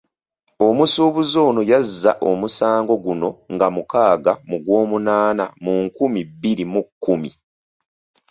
Omusuubuzi ono yazza omusango guno nga mukaaga mu Gwomunaana mu nkumi bbiri mu kkumi.